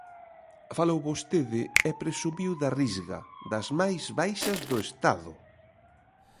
Falou vostede e presumiu da Risga, das máis baixas do Estado.